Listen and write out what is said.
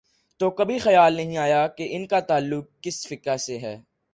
تو کبھی خیال نہیں آیا کہ ان کا تعلق کس فقہ سے ہے۔